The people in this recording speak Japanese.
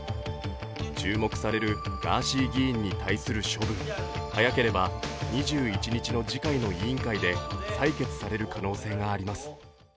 注目されるガーシー議員に対する処分、早ければ２１日の次回の委員会で採決される可能性があります。